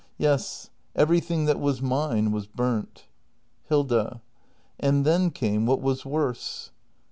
] Yes, everything that was mine was burnt. Hilda. And then came what was worse.